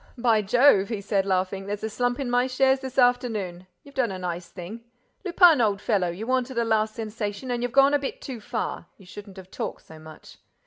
"By Jove," he said, laughing, "there's a slump in my shares this afternoon! You've done a nice thing. Lupin, old fellow: you wanted a last sensation and you've gone a bit too far. You shouldn't have talked so much."